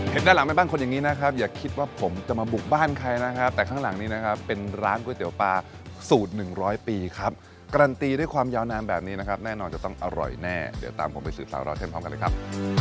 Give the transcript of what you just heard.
ด้านหลังแม่บ้านคนอย่างนี้นะครับอย่าคิดว่าผมจะมาบุกบ้านใครนะครับแต่ข้างหลังนี้นะครับเป็นร้านก๋วยเตี๋ยวปลาสูตร๑๐๐ปีครับการันตีด้วยความยาวนานแบบนี้นะครับแน่นอนจะต้องอร่อยแน่เดี๋ยวตามผมไปสื่อสาวราวเส้นพร้อมกันเลยครับ